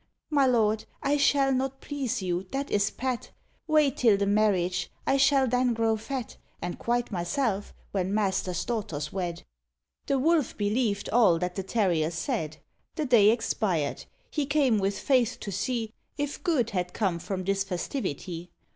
"My lord, I shall not please you, that is pat; Wait till the marriage, I shall then grow fat And quite myself when master's daughter's wed." The Wolf believed all that the terrier said. The day expired; he came with faith to see If good had come from this festivity.